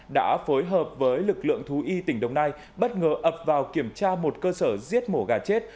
đã phối hợp với lực lượng thú y tỉnh đồng nai bất ngờ ập vào kiểm tra một cơ sở giết mổ gà chết